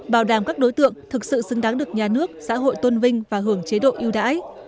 bảo đảm các đối tượng thực sự xứng đáng được nhà nước xã hội tôn vinh và hưởng chế độ ưu đãi